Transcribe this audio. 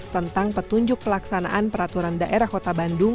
tentang petunjuk pelaksanaan peraturan daerah kota bandung